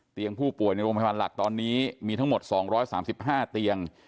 ผู้ป่วยในโรงพยาบาลหลักตอนนี้มีทั้งหมด๒๓๕เตียง